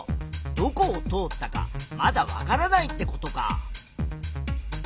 どこを通ったかまだわからないってことか。